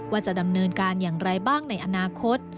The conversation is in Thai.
ว่าจะดำเนินการอย่างไรบ้างในอนาคต